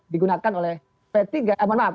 digunakan oleh p tiga mohon maaf